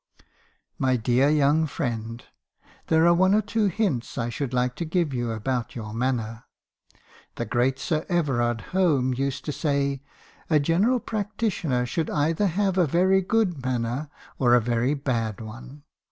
" 'My dear young friend, there are one or two hints I should like to give you about your manner. The great Sir Everard Home used to say, 'a general practitioner should either have a very good manner, or a very bad one.'